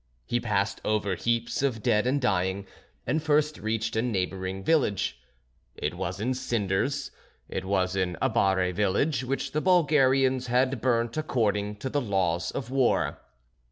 He passed over heaps of dead and dying, and first reached a neighbouring village; it was in cinders, it was an Abare village which the Bulgarians had burnt according to the laws of war.